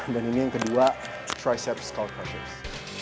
dan ini yang kedua tricep skull crushers